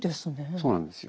そうなんですよ。